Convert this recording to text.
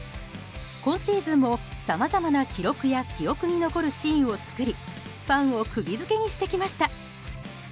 今シーズンもさまざまな記録や記憶に残るシーンを作りファンを釘付けにしてきました。